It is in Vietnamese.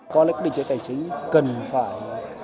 collecting cho tài chính cần phải